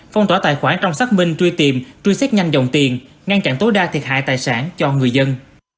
phong tỏa tài khoản trong xác minh truy tìm truy xét nhanh dòng tiền ngăn chặn tối đa thiệt hại tài sản cho người dân